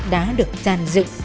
đã được gian dự